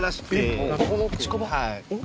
はい。